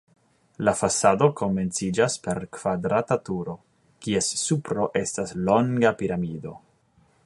La fasado komenciĝas per kvadrata turo, kies supro estas longa piramido.